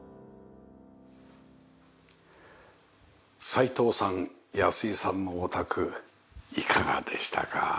齋藤さん安井さんのお宅いかがでしたか？